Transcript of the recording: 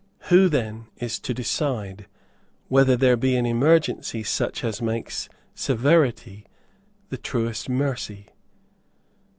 Who then is to decide whether there be an emergency such as makes severity the truest mercy?